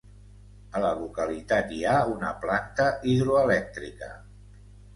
A la localitat hi ha una planta hidroelèctrica.